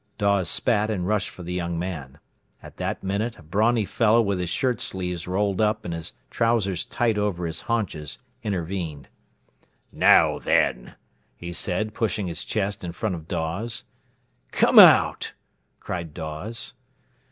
Dawes spat and rushed for the young man. At that minute a brawny fellow with his shirt sleeves rolled up and his trousers tight over his haunches intervened. "Now, then!" he said, pushing his chest in front of Dawes. "Come out!" cried Dawes.